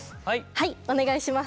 はいお願いします。